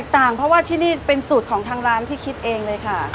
ต่างเพราะว่าที่นี่เป็นสูตรของทางร้านที่คิดเองเลยค่ะ